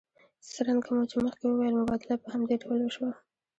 څرنګه مو چې مخکې وویل مبادله په همدې ډول وشوه